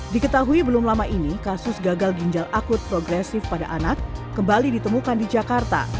diketahui belum lama ini kasus gagal ginjal akut progresif pada anak kembali ditemukan di jakarta